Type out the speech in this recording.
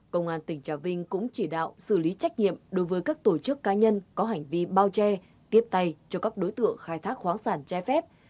công an tỉnh trà vinh cũng chỉ đạo xử lý trách nhiệm đối với các tổ chức cá nhân có hành vi bao che tiếp tay cho các đối tượng khai thác khoáng sản trái phép